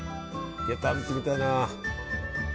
いや食べてみたいな。